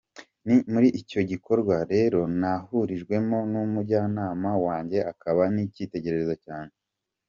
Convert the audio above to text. Ni muri icyo gikorwa rero nahurijwemo n’umujyanama wanjye akaba n’icyitegererezo cyanjye.